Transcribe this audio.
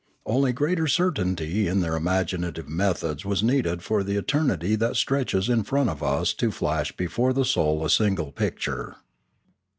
Only greater certainty in their imagina tive methods was needed for the eternity that stretches in front of us to flash before the soul in a single picture.